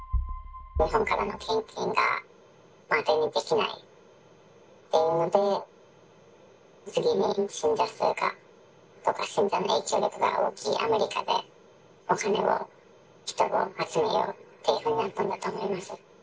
日本からの献金が当てにできないっていうので、次に信者数がとか、信者の影響力が大きいアメリカで、お金を集めようというふうになったんだと思います。